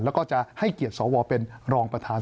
แล้วก็จะให้เกียรติสวเป็นรองประธาน